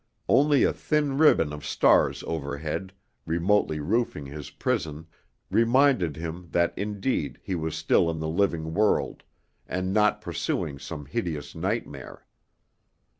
Only a thin ribbon of stars overhead, remotely roofing his prison, reminded him that indeed he was still in the living world and not pursuing some hideous nightmare.